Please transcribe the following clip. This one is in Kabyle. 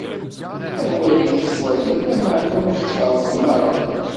Awali tettwalim, lameɛna ur tfeṛṛzem ara.